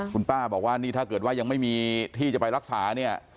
คุณป๊าบอกว่าถ้าเกิดว่ายังไม่มีที่จะไปรักษา